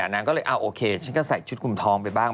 นางก็เลยโอเคชิคกี้พายก็ใส่ชุดคุมท้องไปบ้าง